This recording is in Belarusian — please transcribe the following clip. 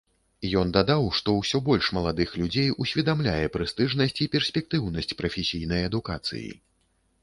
Ён дадаў, што ўсё больш маладых людзей усведамляе прэстыжнасць і перспектыўнасць прафесійнай адукацыі.